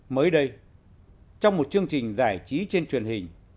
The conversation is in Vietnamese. mới đây trong một chương trình giải trí trên truyền hình